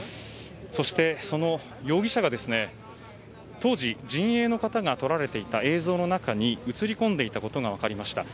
そしてその容疑者が当時、陣営の方が撮られていた映像の中に映り込んでいたことが分かりました。